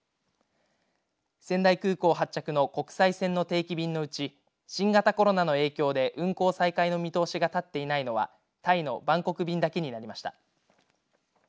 仙台空港発着の国際線の定期便のうち新型コロナの影響で運航再開の見通しが立っていないのはタイのバンコク便だけになりました。